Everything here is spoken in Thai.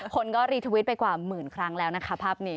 คนก็รีทวิตไปกว่าหมื่นครั้งแล้วนะคะภาพนี้